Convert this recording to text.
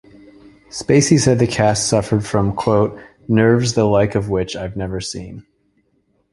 Spacey said the cast suffered from "nerves the like of which I've never seen".